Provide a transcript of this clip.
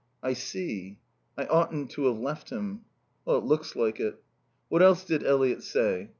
"I see. I oughtn't to have left him." "It looks like it." "What else did Eliot say?"